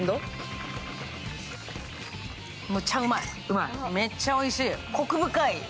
めっちゃうまい、めっちゃおいしい。